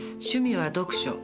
趣味は読書。